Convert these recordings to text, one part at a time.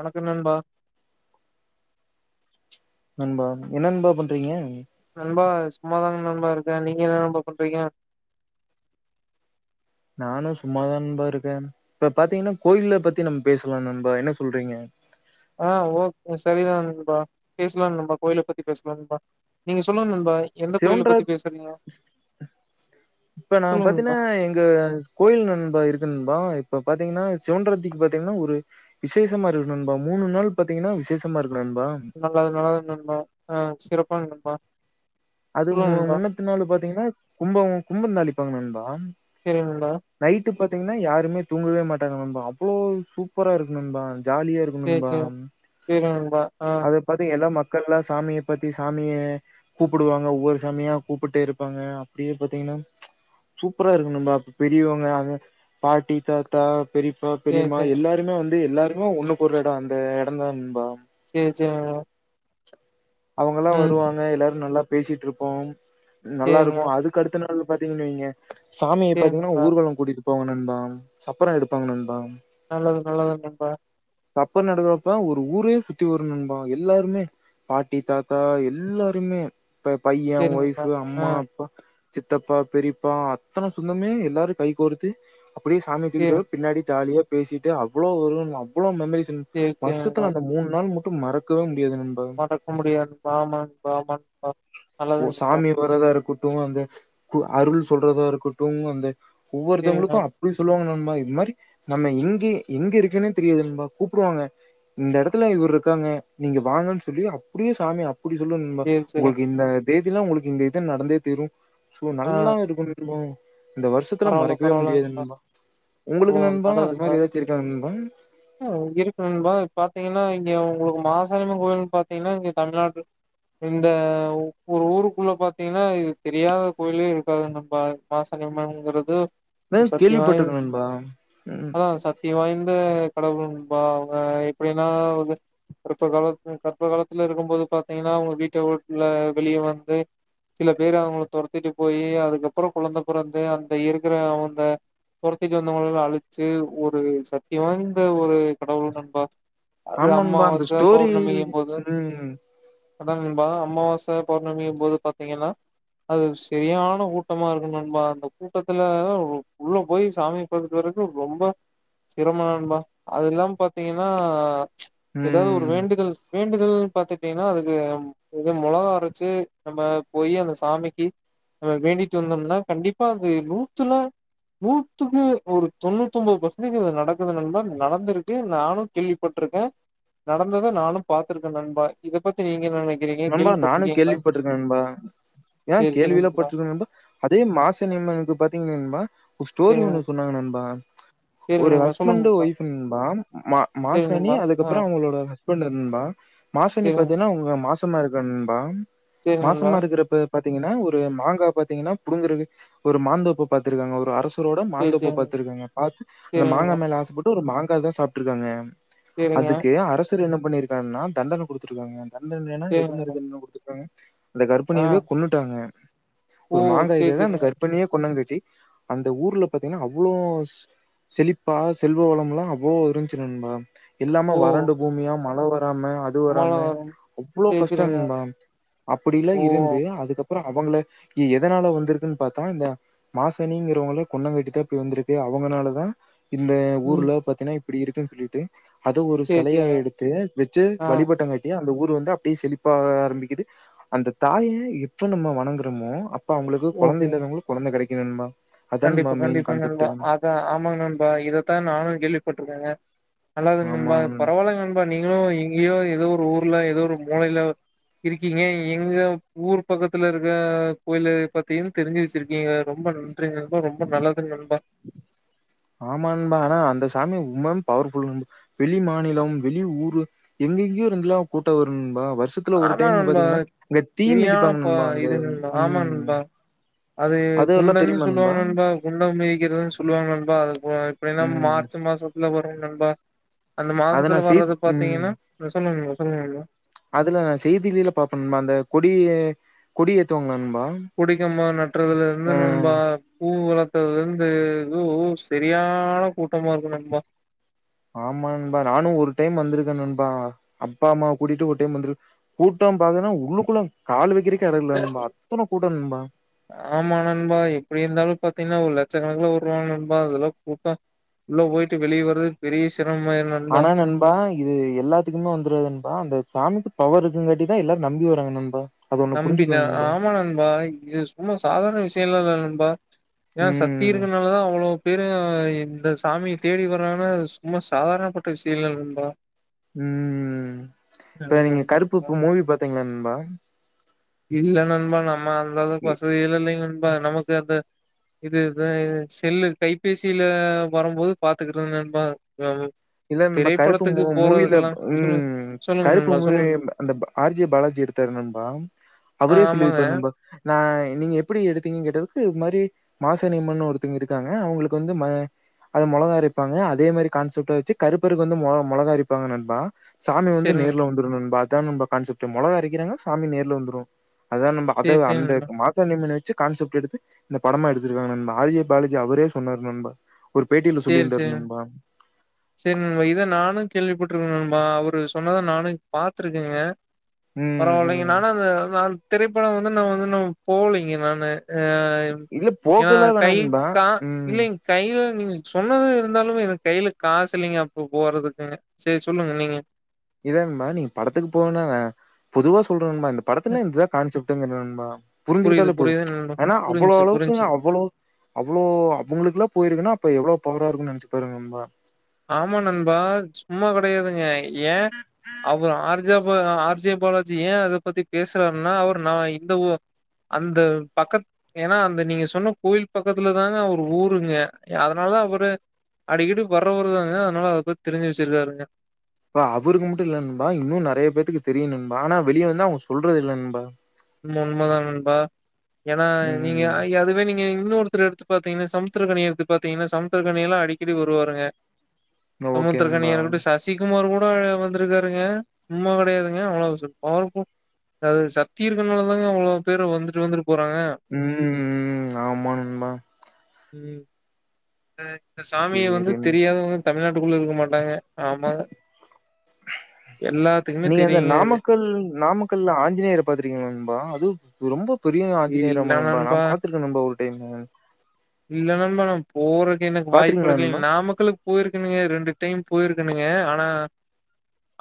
வணக்கம் நன்பா நண்பா என்ன நண்பா பண்றீங்க நண்பா சும்மாதாங்க நண்பா இருக்கேன் நீங்க என்ன நண்பா பண்றீங்க நானும் சும்மாதான் நண்பா இருக்கேன் இப்ப பாத்தீங்கன்னா கோயில பத்தி நம்ம பேசலாம் நண்பா என்ன சொல்றீங்க ஆ ஓக் சரி நண்பா பேசுலாம் நண்பா கோயில பத்தி பேசலாம் நண்பா நீங்க சொல்லுங்க நண்பா எந்த கோயில சிவன்ற பத்தி பேசுறீங்க இப்ப நா சொல்லுங்க பாத்தீங்னா நண்பா எங்க கோயில் நண்பா இருக்கு நண்பா இப்ப பாத்தீங்கன்னா சிவன்றதிக்கு பாத்தீங்கன்னா ஒரு விசேஷமா இருக்கும் நண்பா மூணு நாள் பாத்தீங்கன்னா விசேஷமா இரு நல்லது நல்லது நண்பா ஆ சிறப் பா நண்பா அது மு சொல்லுங்க நண்பா முன்னத்த நாள் பாத்தீங்கன்னா கும்பம் கும்பந்தாளி வப்பாங்க நண்பா சேரி நண்பா தீங்கன்னா யாருமே தூங்கவே மாட்டாங்க நண்பா அவ்ளோ சூப்பரா இருக்கு நண்பா ஜாலியா இருக்கும் சேரி நண்பா சேரி சேரி நண்பா ஆ அத பாத்தீங்க எல்லாம க்கள்லாம் சாமிய பத்தி சாமியை கூப்புடுவாங்க ஒவ்வொரு சாமியா கூப்புட்டே இருப்பாங்க அப்படியே பாத்தீங்கன்னா சூப்பரா இருக்கும் நண்பா பெரியவங்க அங்க பாட்டி தாத்தா பெரியப்பா சேரி பெரியமா சேரி எல்லாருமே வந் து எல்லாருமே ஒண்ணுக் கூடுற எடம் அந்த எடம் தான் நண்பா சேர் சேரி நண்பா அவங்கெலா ம் வருவாங்க எல்லாரு நல்லா பேசிட்ருப்போ நல்லா சேரிங்க இருக்கு அதுக்கு அடுத்த நாள் பாத்திங்கனு வெய்ங்க சாமிய சேரி பாத்திங்னா நண்பா ஊர்வல கூட்டிட்டு போங்க நண்பா சப்பர எடுப்பாங்க நண்பா நல்லது நல்லது நண்பா சப்ப நடக்கறப்ப ஒரு ஊரே சுத்தி வரு நண்பா எல்லாருமே பாட்டி தாத்தா எல்லாருமே இப்ப பைய சேரி நண்பா ஒய்ஃபு ஆ அம்மா அப்பா சித்தப்பா பெரிப்பா அத்தன சொந்தமே எல்லாரு கை கோர்த்து அப்படியே சாமிய தூக்கிட்டு சேரி வரு பின்னாடி ஜாலியா பேசிட்டு அவ்ளோ ஒரு அவ்ளோ மெமரி ம் சேரி சேரி நண்பா வருஷத்துல அந்த மூணு நாள் ம ட்டு மறக்கவே முடியாது நண்பா மறக்க முடியாது பாமான் பாமான் பா நல்லது நண்பா டு அந்த அருள் சொல்றதா இருக்கட்டும் அந்த சேரிங்க ஒவ்வொருத்தவங்களுக்கு அப்படி சொல்வாங்க நண் பா இது மாரி நம்ம எங்க எங்க இருக்கன்னே தெரியாது நண்பா கூப்புடுவாங்க இந்த எடத்துல இவுரு இருக்காங்க நீங்க வாங்கன் சொல்லி அ புரிய சாமி அப் ப்படி சொல்லு நண்பா சேரி சேரிங் உங்களுக்கு இந்த தேதில்ல உங்களுக்கு இந்த இது நடந்தே தீரு சோ ஆ நல்லா இத கொண்டுட்டு போ இந்த வருஷத்துல பரவால்ல மறக்கவே முடியாது பரவால்லங்ப்பா நண்பா ஓ உங்களுக்கு நண்பா அது நல்லதுங்க மாரி ஏதாச்சு இருக்கா நண்பா ஓ இருக்கு நண்பா பாத்திங்கன்னா இங்க உங்களுக்கு மாசனியம்மன் கோயல் பாத்திங்கனா இங்க தமிழ்நாட்டு இந்த ஒரு ஊருக்குள்ள பாத்திங்னா இது தெரியாத கோயிலே இருக்காது நண்பா மாசணி அம்மன்ங்கிறது பேர் கேள்விப்பட்ருக்க நண்பா ஆ ம் சத்தி வாய்ந்த கடவுள் நண்பா அவுங்க எப்டினா அவுங்க கர்ப்ப காலத்து கர்ப்ப காலத்துல இருக்கும் போது பாத்திங்கனா அவுங்க வீட்ட ஓட்டுல வெளிய வந்து சில பேரு அவுங்கள தொரத்திட்டு போயி அதுக்கப்புற கொழந்த பிறந்து அந்த இருக்கற அந்த தொ த்திட்டு வந்தவங்கெளெல்லா அழிச்சு ஒரு சத்தி வாய்ந்த ஒரு கடவுள் நண்பா அது ஆமா நண்பா அந்த அம்மாவாச ஸ்டோரி பௌர்ணமிங்கும் ம் ப்பா அமாவாசை பௌர்ணமி போது பாத்திங்கனா அது சரியான கூட்டமா இருக்கு நண்பா அந்த கூட்டத்துல உள்ள போய் சாமிய பாத்துட்டு வர்றக்கு ரொம்ப சிரம நண்பா அதில்லாம பாத்திங்கன்னா எதாவது ஒரு ம் வேண்டுதல் வேண்டுதல் பாத்துட்டீங்ன்னா அதுக்கு எது மொளகா அரச்சு நம்ப போயி அந்த சாமிக்கி நம்ம வேண்டிட்டு வந்தோம்னா கண்டிப்பா அது நூத்துல நூ த்துக்கு ஒரு தொண்ணூத்தொம்போது பர்ச்ன்டேஜ் அது நடக்குது நண்பா நடந்துருக்கு நானு கேள்விப்பட்ருக்கேன் நடந்தத நானும் பாத்துருக்க நண்பா இதை பத்தி நீங்க என்ன நென நண்பா நானு கேள்விப்பட்ருக்க நண்பா ஏன் சேரி சேரி கேள்வில நண்பா பருக்கேநன்பா அதே மாசனியமனுக்கு பாத்தீங் நண்பா ஒரு சேரி ஸ்டோரி ஒண்ணு சொன்னாங்க நண்பா சேரி ஒரு நண்பா சொல்லுங்க ஹஸ்பண்ட் ஒய்ஃப் நண்பா மா சேரி மாசாணி நண்பா ஆ அதுக்கப்றொ அவங்களோட [unintelligible] நண்பா மாசானி சேரி பாத்தீன்னா உங்க மா சமா இருக்கா நண்பா சேரி நண்பா மாசமா இருக்குறப்ப பாத்தீங்கன்னா ஒரு மாங்கா பாத்தீங்கன்னா புடுங்கரக்கு ஒரு மாந்தோப்ப பாத்திருக்காங்க ஒரு அரச ரோட சேரி மாந்தோப்ப சேரி பத்துருக்காங்க பாத்து அந்த சேரிங்க மாங்கா மேல ஆசப்பட்டு ஒரு மாங் கா தா சாப்ட்ருக்காங்க சேரிங்க அதுக்கு அர சர் என்ன பண்ணிருக்கார்ன்னா தண்டன குடுத்துருக்காங்க தண்ட ணனா சேரி எது நண்பா மாரி தண்ணோ குடுத்துரு ப்பாங்க அந்த ஆ கற்பனையவே கொன்னுட்டாங்க ஓ ஒரு சேரி மாங்காய்காக அந்த சேரிங்க கர்ப்பணியே கொண்டந்து தி அந்த ஊர்ல பாத்தீங்ன்னா அவ்ளோ செ செழிப்பா செல்வ வளம் ல்லா அவ்ளோ இருஞ்சு நண்பா இல்லாம ஓ வறண்டு பூமியா மழ வ ராம அது மழ வராம வரும் வ்ளோ சேரி கஷ்ட சேரிங்க ண்பா அப்படிலா ஓ இருந்து அதுக்க ப்றோ அவங்கள எ எதனால வந்துருக்குன் பாத்தா இந்த மாசணிங்கிறவங்கள கொன்னங்காட்டிதா இப்டி வந்துருக்கு அவங்கனாலதா இந்த ம் ஊர்ல பாத்தீன்னா இ ப்பிடி இருக்குன் சொல்லிட்டு அது ஒரு சேரி செலையா சேரிங்க எடுத்து வெச்சு ஆ வலிபட்டங்காட்டியா ந்த ஊரு வந்து அ ப்டே செலிப்பாக ஆரம்பிக்கிது அந்த தாய் ழ் எப்ப நம்மோ வணங்குறமோ அப் பவங்களுக்கு கொலந்த ஓகே இல்லாதவங்குளு கொலந்த கடைக் கே நண்பா அதான் நண்பா கண்டிப்பா மெயின் கண்டிப்பாங் நண்பா கான்செப்ட்டு. அதா ஆமாங் நண்பா இதத்தா நானு கேள்விப்பட்ருக்கேங்க நல்லது நண்பா ஆமா. பரவாயில்லங் நண்பா நீங்களு எங்கேயோ எதோ ஒரு ஊர்ல எதோ ஒரு மூலயில இருக்கீங்க எங்க ஊர் பக்கத்துல இருக்க கோய்லு பத்தியு தெரிஞ்சு வெச்சிருக்கீங்க ரொம்ப நன் றி நண்பா ரொம்ப நல்லது நண்பா ஆமா நண்பா ஆனா அந்த சாமி ரொம்ப பவர்ஃபுல்லு நண்பா வெளி மாநிலம் வெளி ஊரு எங்கெங்க்யோருந்துலா கூட்டோ வரு ண்பா வர்ஷத்துல ஒரு ஆமா டைமு நண்பா பாத்தீங்கன்னா இங்க தீ சரியான மிதிப்பாங்க ப நண்பா அந்த இது நண்பா ஆமா உம் நண்பா அது குண்டம்ன்னு சொல்லுவாங்கநண்பா குண்டோ மிதிக்கிறதுன் சொல்லுவாங்க நண்பா அது இப்போ [unintelligible] ம். மார்ச்சு மாசத்ல வரு நண்பா அந்த அத மாசத்துல நான் செய் வர்றது ம். பாத்தீங்கன்னா சொல்லுங்க நண்பா அதுல நான் செய்தில பார்பணுனுமா அந்த கொடிய கொடி ஏத்துவாங்கனுமா குடுக்கம்பம் நட்டுறதுல இருந்து நண்பா பூ வள அதுல இருந்து இது சரியான கூட்டமா இருக்கு நண்பா ஆமா நண்பா நானும் ஒரு டைம் வந்திருக்கேன் நண்பா அப்பா அம்மாாவ கூட்டிட்டு ஒரு டைம் வந்திருக்கேன் கூட்டம் பான்னா உள்ளுக்குள்ள கால் வைக்கிற ஆமா நண்பா எப்படி இருந்தாலும் பாத்தீங்கன்னா உள்ள [unintelligible] ஆனா நண்பா இது எல்லாத்துக்குமே வந்துடாது நண்பா அந்த சாமி பவர் இருக்குறகான்டிதான் எல்லாரும் நம்பி வராங்க நண்பா அது ஒண்ணு நம்பினா புரிஞ்சுக்கணும் நண்பா. ஆமா நண்பா இது சும்மா சாதாரண விஷயம் தெரியல நண்பா ஏன்னா சக்தி ம். இருக்கனாலதான் அவ்வளவு இத்தன பேரும் இந்த சாமிய தேடி வராங்கனா சும்மா சாதாரணப்பட்ட விஷயம் இல்ல நண்பா உம் இப்ப ஆமா நீங்க ஆமா நண்பா கருப்பு இப்ப மூவி பாத்தீங்கள நண்பா இல்ல நண்பா ந அம் அந்த அளவுக்கு இ வசதியெல்லாம் இல்லைங்க நண்பா நமக்கு அந்த இதுதான் செல்லு கைபேசியில வரும்போது பாத்துக்கறது நண்பா இத நம்ம கருப்பு மூ திரைப்படத்துக்கு மூவியில போறதுக்கெல்லா சொல்லுங்க உம் சொல்லுங்க கருப்பு நண்பா மூவி சொல்லுங்க அந்த ஆர்ஜி பாலாஜி எடுத்தரு நண்பா ஆ அவுறே ஆமாங்க சொல்லியிருப்பரு நண்பா நா நீங்க எப்படி எடுத்துங்கனு கேட்டதுக்கு இது மாதிரி மாசாணியமணு ஒருத்தங்க இருக்காங்க அவங்களுக்கு வந்து ம மொளகா அரைப்பாங்கஅதே மாதிரி கான்செப்ட்ட வச்சு கருப்பருக்கு வந்து மொ மொளகாரிப்பாங்க நண்பா சாமி வந்து செரிங் நேர்ல வந்துருணும்னு நண்பா இது தா நண்பா கான்செப்ட் மொளகா அரைக்கிறாங்க சாமி நேர்ல வந்துரும் அதான் நண்பா அதை சேரி சேரி அந்த நண்பா மாசாணியம்மன் அத வச்சு கான்செப்ட் எடுத்து இந்த படமா எடுத்திருக்காங்க நண்பா ஆர்ஜே பாலஜி அவரே சொன்னார் நண்பா ஒரு பேட்டியில சொல்லியிருந்தரு நண்பா சரி நண்பா இத நானும் கேள்விப்பட்டிருக்கேன் நண்பா அவரு சொன்னத நானும் பாத்திருக்கேங்க ம், பரவாயில்லைங்க ம். நானா அந்த நாள் திரைப்படம் வந்து நான் வந்து நான் போலீங்க நானு இல்ல ஏன்னா போகலா வேணா கை நண்பா. கா ம். இல்லைங்க கை உம் சொன்னது இருந்தாலுமே என் கையில காசு இல்லிங்க அப்ப போறதுக்குங்க சரி சொல்லுங்க நீங்க இதான் நண்பா நீங்க படத்துக்கு போவேன்னா நான் பொதுவா சொல்றன் இதான் நண்பா படத்துல ம். இதான் கான்சப்டுங்க நண்பா புரியுது புரிஞ்சிகிட்டாலே போதும்.. புரியுது நண்பா ஏன்னா அவ்ளோ புரிஞ்ச்சு அளவுக்குங்க புரிஞ்ச்சுங்க அவ்ளோ அவங்களுக்குலான் போயிருக்குனா எவ்ளோ பவரா இருக்கும் நினச்சு பாருங்க நண்பா ஆம்மா நண்பா சும்மா கிடையாதுங்க ஏ அவரு ஆர் ஜே ஆர்ஜே பாலாஜி ஏ அத பத்தி பேசுறாருன்னா அவர் நா இந்த உ அந்த பக்கத் ஏனா அந்த நீங்க சொன்ன கோயில் பக்கத்துல தாங்க அவர் ஊருங்க அதனாலதா அவுரு அடிக்கடி வருஊருதாங்க அதனால அத பத் தெரிஞ்சி வச்சிருக்காருங்க இப்ப அவருக்கு மட்டு இல்ல நண்பா இன்னு நறைய பேத்துக்கு தெரியு நண்பா ஆனா வெளிய வந்து அவங்க சொல்றது இல்ல நண்பா ம் உண்ம தா நண்பா ஏன்னா நீங்க ம் ய அதுவே நீங்க இன்னொருத்தர் எடுத்து பாத்தீங்னா சமுத்துரகனி எடுத்து பாத்தீங்கன்னா சமுத்துரகனி எல்லா அடிக்கடி வருவாருங்க ஓகே சமுத்துரகனி நண்பா இருக்கடு சசிகுமார் கூட் வாழ வந்துருக்காருங்க உம்மா கடையாதுங்க அவ்ளவு பவர் ஃபுல் தீர்க்கனால தாங்க அவ்ளோ பேரு வந்துட்டு வந்துட்டு போறாங்க ம் ம் ஆம்மா நண்பா ம் இந்த சாமிய வந்து சரி நண்- தெரியாதவங்க தமிழ்நாட்டுக்குள்ள இருக்குமாட் எல்லாத்துக்குமே நீங்க அந்த தெரியுங்க இது நாமக்கல் நாமக்கல்ல ஆஞ்சநேயர பாத்திருக்கீங்களா நண்பா அது ரொம்ப பெரிய ஆஞ்சநேயராம் நண்பா நா பாத்துருக்க நண்பா ஒரு என்ன இல்ல நண்பா நா போறக் எனக்கு வாய்ப்பு பாத்திருக்கீங்களா கெடைக்லிங் நண்பா நாமக்கல்லுக்கு போயிருக்கனுங்க ரெண்டு டைம் போயிருக்கனுங்க ஆனா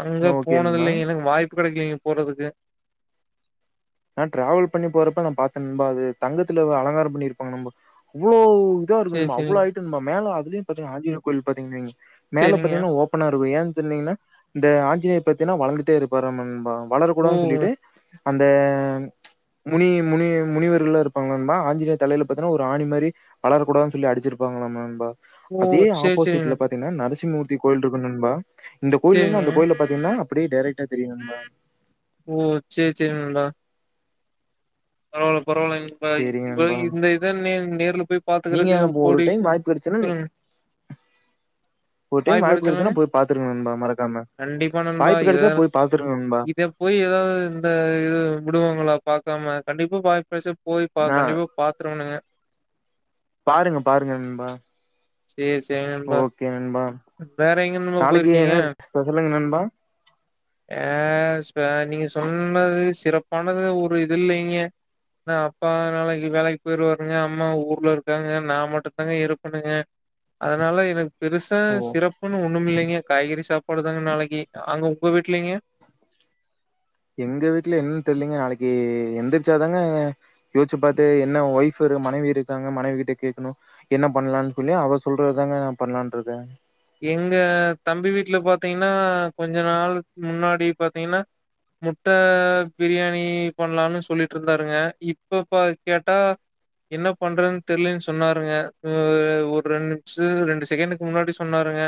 அங்க ஓகே நண்பா போனதில்லைங்க எனக்கு வாய்ப்பு கெடைக்கலிங்க போறதுக்கு நா டிராவல் பண்ணி போறப்ப நா பாத்த நண்பா அது தங்கத்துல அலங்காரம் பண்ணிருப்பாங்க நம்ப அவ்ளோ இதா இருக்கு சேரி நண்பா அவ்ளோ சேரிங்க ஹைட் நண்பா மேல அதுலயு பாத்திங்னா ஆஞ்சநேயர் கோயில் பாத்திங்கன் வைங்க மேல சேரிங்க பாத்திங்னா ஓபனா இருக்கு ஏன் டிங்னா இந்த ஆஞ்சநேயர் பாத்தினா வளந்துட்டே இருப்பாராம் நண்பா ஓ வளரக்கூடாதுன் சொல்லிட்டு அந்த அ முனி முனி முனிவர்களா இருப்பாங்கள ஆஞ்சிநேய தலைல பாத்தினா ஒரு ஆணி மாரி வளரக்கூடாதுன் சொல்லி அடிச்சிருப்பாங்களான் நண்பா ஓ அதே சேரி சேரிங்க ஆப்போசிட்ல நண்பா. பாத்திங்னா நரசிம்மூ ர்த்தி கோயில்ருக்கு நண்பா இந்த கோயில்லருந்து சேரிங்க அந்த கோயில பாத்திங்னா அப்டியே டைரக்டா தெரியு நண்பா ஓ சேர் சேரி நண்பா ஒ பரவாலைங்க இப்ப சரிங்க இவ நண்பா. இதன்னே நேர்ல போய் நீங்க பாத்துக்கறதுக்கு ஒரு கோடி டைம் வாய்ப்பு கிடைச்சுன்னா ஆ [unintelligible] ஒரு டைம் வாய்ப்பு கெடச்சுளங்க கெடச்சுன்னா போய் பாத்துருங்க நண்பா மறக்காம கண்டிப்பா நண்பா வாய்ப்பு இத கெடச்சா போய் பாத்துருங்க நண்பா இத போய் எதாது இந்த இத விடுவாங்ளா பாக்காமனாச் கண்டிப்பா பாக் ஆ பாருங்க பாருங்க நண்பா சேர் சேரி நண்பா ஓகே நண்பா வேற எங்க நண்பா நாளைக்கு போய்ருக்கீங்க என்ன ஸ்பெஷலுங்க நண்பா ஆ இப்ப நீங்க சொன்னது சிறப்பானது ஒரு இதுல்லிங்க. அ அப்பா நாளைக்கி வேலைக்கி பொய்ருவாருங்க அம்மா ஊர்ல இருக்காங்க நா மட்டும் தாங்க இருக்குணுங்க அதனால எனக் பெருசா ஓ சிறப்புன்னு ஒண்ணுமில்லைங்க காய்கறி சாப்பாடு இதங்க நாளைக்கி அங்க உங்க வீட்லிங்க எங்க வீட்ல என்னன் தெர்லீங்க நாளிக்கு எந்துர்ச்சாதாங்க யோச்சு பாத்து என்ன ஒய்ஃப் இரு மனைவி இருக்காங்க மனைவி கிட்ட கேக்கணு என்ன பண்லான்னு சொல்லி அவ சொல்றதாங்க நா பண்லான்றுக்கே எங்க தம்பி வீட்ல பாத்தீங்னா கொஞ்சோ நாளுக்கு முன்னாடி பாத்தீங்கனா, முட்ட ப்ரியாணி பண்லானு சொல்லிட்ருந்தாருங்க. இப்பப்ப கேட்டா என்ன பண்றதுன் தெர்லைனு சொன்னாருங்க. ஒரு ரெண்டு நிம்ஷ ரெண்டு செகண்டுக்கு முன்னாடி சொ சொன்னாருங்க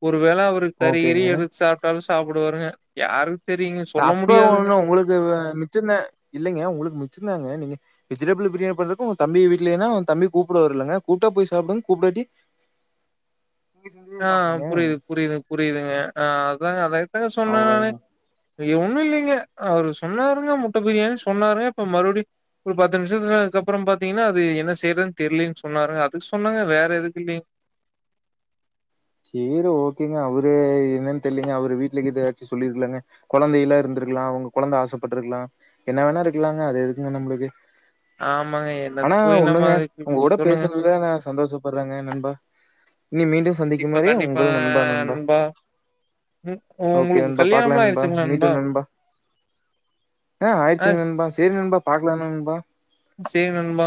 ஒ ஒரு வேல அவரு கறிகிறி ஓகேங்க எடுத்து சாப்பிட்டாலு சாப்டு வாருங்க யாரு அப்ப ஒன்னு உங்குளுக்கு மிச்சந்தா இல்லைங்க உங்குளுக்கு மிச்சந்தாங்க நீங்க வெஜிடபிள் பிரியாணி பண்றப்ப ஒ தம்பி வீட்லே தா ஒ தம்பி கூப்புடுவார்லங்க கூப்ட்டா போய் சாப்டுங்க கூப்டாட்டி நீங்க செஞ்சு ஆ சாப்டுங்க புரிது புரிது புரிதுங்க ஆ அதாங்க அதே தாங்க சொன்ன நானு அவ்வளோதாங்க. இயி ஒண்ணில்லிங்க அவரு சொன்னாருங்க முட்ட பிரியாணின் சொன்னாருங்க. இப்ப மறுவடி ஒரு பத்து நிம்ஷத்துல அதுக்கப்ற பாத்தீங்கன்னா அது என்ன செய்றதுன் தெரிலைன் சொன்னாருங்க. அதுக்கு சொன்னங்க வேற எதுக்கில்லிங்க. சேரி ஓக்கேங்க அவரு என்னன் தெர்லிங்க. அவரு வீட்லக்கிதாச்சு சொல்லிர்க்கலாங்க. கொழந்தைல இருந்துருக்லா அவங்க கொழந்த ஆசப்பட்ருக்கலா என்ன வேணாருக்லாங்க அது எதுக்குங்க நம்ளுக்கு ஆமாங்க என்னத்த ஆனா போய் நம்ம ஒன்னுங்க அதுக்கு உங்க இப்படி குட சொல்லுங்க. பேஸ்னதுல நா சந்தோஷப்பட்றங்க நண்பா. இனி மீண்டும் சந்திக்... கண்டிப்பா, மாரி கண்டிப்பா உங்குளு நண்பா நண்பா ம் ஓக்கே உங்களுக்கு நண்பா பாக்லா கல்யாணம்லாம் நண்பா ஆயிடுச்சுங்களா மீ டூ நண்பா ஆ ஆய்ர்ச்சுங்க நண்பா சேரி ரி நண்பா பாக்லா நண்பா சேரி நண்பா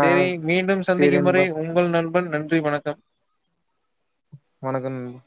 சேரி மீண்டும் சரி சந்திக்கும் வரை நண்பா. உங்கள் நண்பன் நன்றி ன்றி வணக்கம் வணக்கம் நண்பா